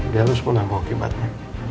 dia harus menambah keibatnya